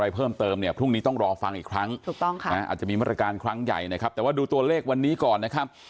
อะไรเพิ่มเติมเนี่ยพรุ่งนี้ต้องรอฟังอีกครั้งมีบริการครั้งใหญ่นะครับแต่ว่าดูตัวเลขวันนี้ก่อนนะครับ